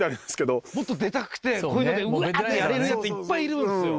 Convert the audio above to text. もっと出たくてこういうのでうわっ！ってやれるやついっぱいいるんすよ